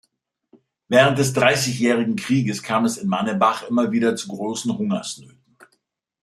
Während des Dreißigjährigen Krieges kam es in Manebach immer wieder zu großen Hungersnöten.